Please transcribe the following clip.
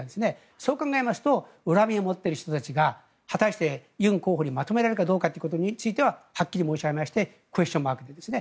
そう考えますと恨みを持っている人たちが果たして、ユン候補にまとまるかどうかについてははっきり申し上げましてクエスチョンマークですね。